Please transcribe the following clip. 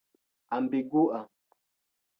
ambigua